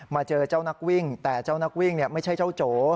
เจอเจ้านักวิ่งแต่เจ้านักวิ่งไม่ใช่เจ้าโจ